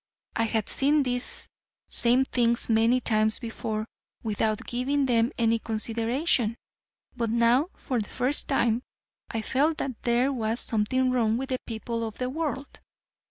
I had seen these same things many times before without giving them any consideration, but now for the first time, I felt that there was something wrong with the people of the world.